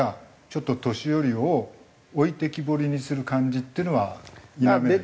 ちょっと年寄りを置いてきぼりにする感じっていうのは否めない？